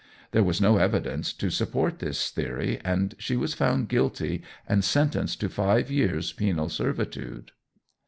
There was no evidence to support this theory, and she was found guilty and sentenced to five years' penal servitude.